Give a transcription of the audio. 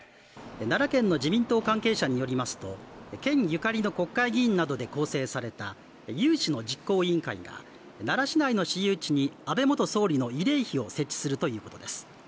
奈良県の自民党関係者によりますと、県ゆかりの国会議員などで構成された有志の実行委員会が奈良市内の市有地に安倍元総理の慰霊碑を設置するということです。